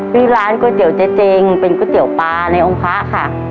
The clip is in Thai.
ที่ร้านก๋วยเตี๋ยเจ๊เจงเป็นก๋วยเตี๋ยวปลาในองค์พระค่ะ